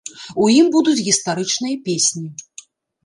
У ім будуць гістарычныя песні.